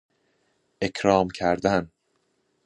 اکرام کردن